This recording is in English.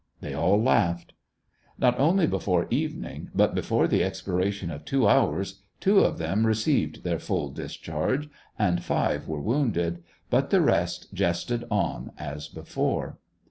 They all laughed. Not only before evening, but before the expira tion of two hours, two of them received their full discharge, and five were wounded ; but the rest jested on as before.